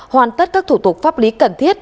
hoàn tất các thủ tục pháp lý cần thiết